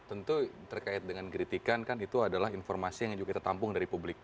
tentu terkait dengan kritikan kan itu adalah informasi yang juga kita tampung dari publik